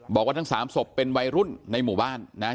บอกว่าทั้งสามศพเป็นวัยรุ่นในหมู่บ้านนะฮะ